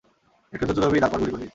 একটু ধৈর্য ধরবি, তারপর গুলি করবি।